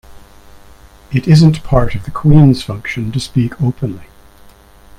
It isn't part of the Queen's function to speak openly.